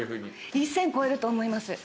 １，０００超えると思います。